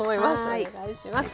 お願いします。